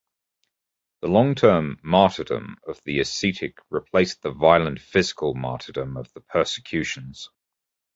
The long-term "martyrdom" of the ascetic replaced the violent physical martyrdom of the persecutions.